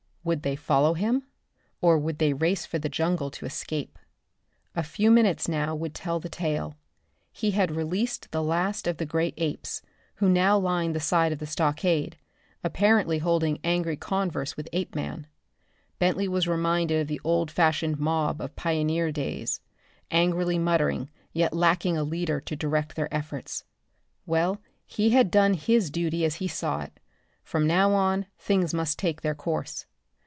Would they follow him? Or would they race for the jungle to escape? A few minutes now would tell the tale. He had released the last of the great apes, who now lined the side of the stockade, apparently holding angry converse with Apeman. Bentley was reminded of the old fashioned mob of pioneer days angrily muttering yet lacking a leader to direct their efforts. Well, he had done his duty as he saw it. From now on things must take their course.